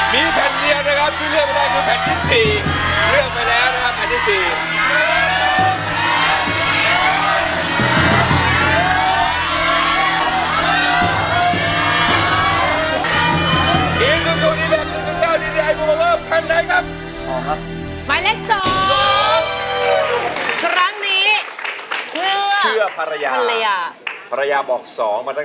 ดีพันหรอกัน